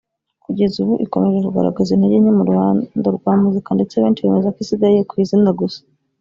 kugeza ubu ikomeje kugaragaza intege nke mu ruhando rwa muzika ndetse benshi bemeza ko isigaye ku izina gusa